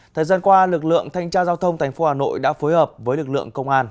thời gian qua lực lượng thanh tra giao thông tp hà nội đã phối hợp với lực lượng công an